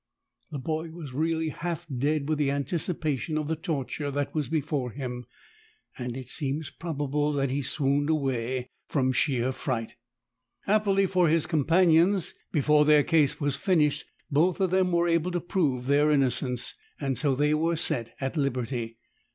The boy was really half dead with the anticipation of the torture that was before him, and it seems probable that he swooned awa}^ from sheer fright. Happily for his compan ions, before their case was finished both of them were able to prove their innocence, and so they were set at liberty.